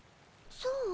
そう？